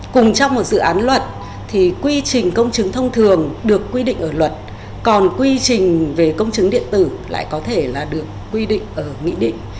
cùng trong một dự án luật thì quy trình công chứng thông thường được quy định ở luật còn quy trình về công chứng điện tử lại có thể là được quy định ở nghị định